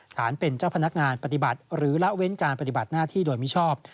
ฐานเป็นเจ้าพนักงานปฏิบัติหรือละเว้นการปฏิบัติหน้าที่โดยมิชอบ